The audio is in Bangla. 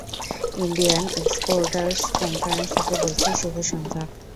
ইন্ডিয়ান এক্সপোর্টার্স কনফারেন্স থেকে বলছি শুভ সন্ধ্যা!